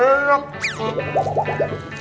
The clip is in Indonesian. opa enak gak